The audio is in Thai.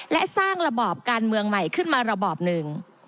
และสร้างระบอบการเมืองใหม่ขึ้นมาระบอบหนึ่ง